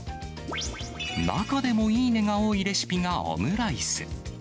中でもいいねが多いレシピが、オムライス。